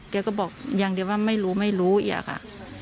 เขาก็บอกอย่างเดียวว่าไม่รู้ค่ะ